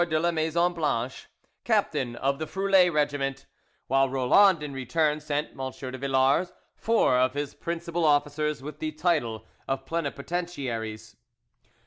de la Maison Blanche, captain of the Froulay regiment; while Roland in return sent M. de Villars four of his principal officers with the title of plenipotentiaries.